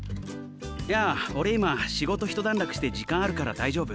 いや俺今仕事ひと段落して時間あるから大丈夫。